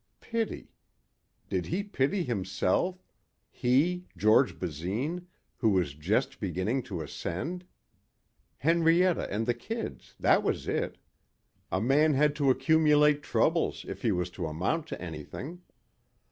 Pity. Did he pity himself, he, George Basine, who was just beginning to ascend? Henrietta and the kids that was it. A man had to accumulate troubles if he was to amount to anything.